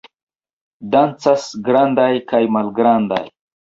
Dancas grandaj kaj malgrandaj!